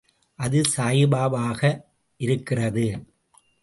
அது சாயிபாபாவாக இருக்கிறது.